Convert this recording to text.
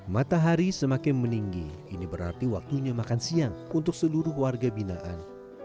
matahari semakin meninggi ini berarti waktunya makan siang untuk seluruh warga binaan